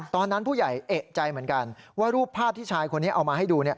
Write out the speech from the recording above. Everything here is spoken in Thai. ตอนนั้นผู้ใหญ่เอกใจเหมือนกันว่ารูปภาพที่ชายคนนี้เอามาให้ดู